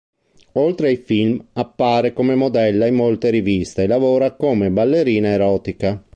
Oltre ai film, appare come modella in molte riviste e lavora come ballerina erotica.